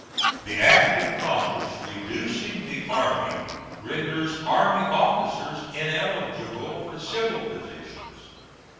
The act of Congress reducing the Army renders army officers ineligible for civil positions.